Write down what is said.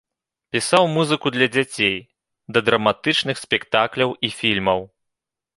Пісаў музыку для дзяцей, да драматычных спектакляў і фільмаў.